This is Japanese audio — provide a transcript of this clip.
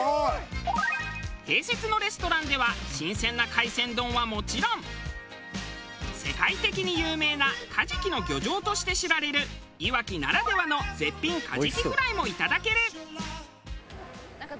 併設のレストランでは新鮮な海鮮丼はもちろん世界的に有名なカジキの漁場として知られるいわきならではの絶品カジキフライもいただける。